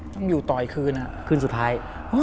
ต้องอยู่ต่ออีกคืนคืนสุดท้าย